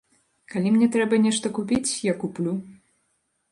Калі мне трэба нешта купіць, я куплю.